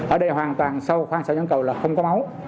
ở đây hoàn toàn sau nhãn cầu là không có máu